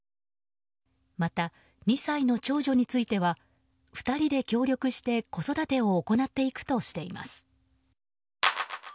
また２歳の長女については２人で協力して子育てを行っていくとしています。